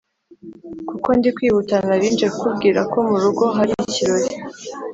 kuko ndikwihuta narinje kukubwira ko murugo harikirori